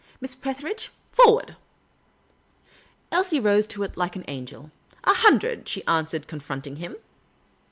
Miss Petheridge, for ward !" Elsie rose to it like an angel. " A hundred," she an swered, confronting him.